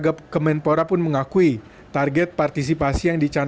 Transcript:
sekolah institut regionalara de arte bicicabal